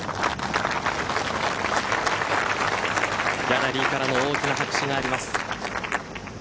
ギャラリーからの大きな拍手があります。